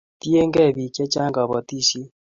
tiengei biik chechang kabotisie